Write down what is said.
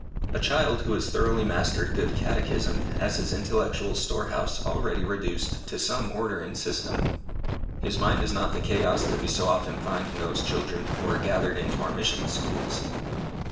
A child who has thoroughly mastered a good catechism has his intellectual store house already reduced to some order and system. His mind is not the chaos that we so often find in those children who are gathered into our mission schools.